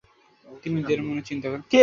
তিনি নিজের মনে চিন্তা করেন।